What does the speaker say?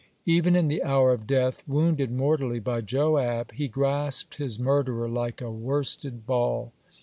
Even in the hour of death, wounded mortally by Joab, he grasped his murderer like a worsted ball.